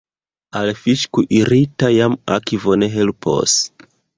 Al fiŝ' kuirita jam akvo ne helpos.